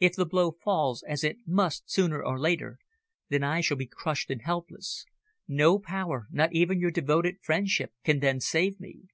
If the blow falls, as it must sooner or later, then I shall be crushed and helpless. No power, not even your devoted friendship, can then save me."